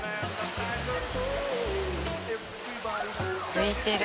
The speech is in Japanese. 「浮いてる。